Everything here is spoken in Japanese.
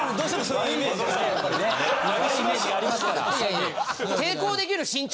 悪いイメージがありますから。